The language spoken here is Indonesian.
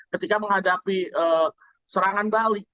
ketika menghadapi serangan balik